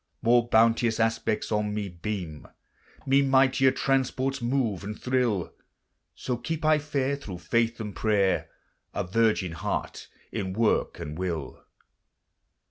More bounteous aspects on me beam, Me mightier transports move and thrill; So keep I fair thro' faith and prayer A virgin heart in work and will.